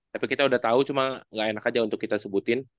tapi kita udah tahu cuma nggak enak aja untuk kita sebutin